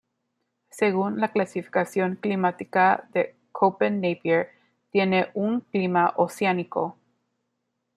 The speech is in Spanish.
Según la clasificación climática de Köppen, Napier tiene un clima oceánico.